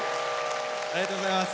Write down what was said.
ありがとうございます。